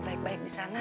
baik baik di sana